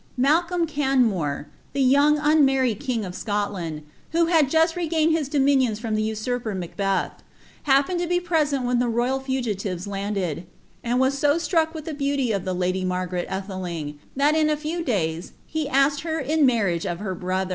Malcolm Canmore, th« young unmarried kine of Scotland, who had just regained his dominioH from the usurper Macbeth, happened to be present when the royal fugi tives landed, and was so struck with the beauty of the lady Marganl Aibetmg, that in a few days he asked her in marriage of her broihn.